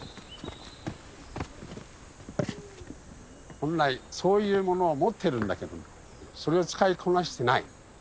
本来そういうものを持ってるんだけどもそれを使いこなしてない。